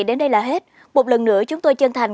đến đây là hết một lần nữa chúng tôi chân thành